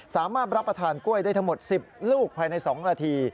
สามารถรับประทานกล้วยได้ทั้งหมด๑๐ลูกภายใน๒นาที